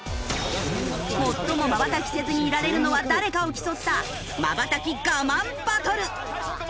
最もまばたきせずにいられるのは誰かを競ったまばたき我慢バトル！